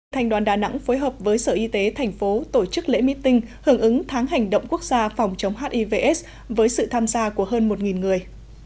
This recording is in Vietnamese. thành đoàn đà nẵng phối hợp với sở y tế thành phố tổ chức lễ meeting hưởng ứng tháng hành động quốc gia phòng chống hiv aids với sự tham gia của hơn một người